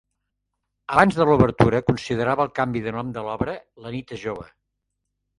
Abans de l'obertura, considerava el canvi de nom de l'obra "la nit és jove".